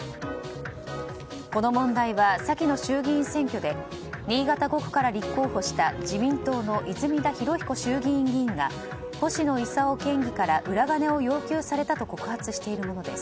この問題は先の衆議院選挙で新潟５区から立候補した自民党の泉田裕彦衆議院議員が星野伊佐夫県議から裏金を要求されたと告発しているものです。